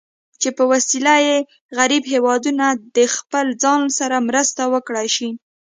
چې په وسیله یې غریب هېوادونه د خپل ځان سره مرسته وکړای شي.